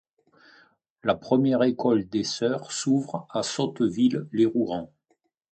La première école des sœurs s’ouvre à Sotteville-lès-Rouen.